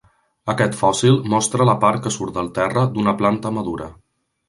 Aquest fòssil mostra la part que surt del terra d'una planta madura.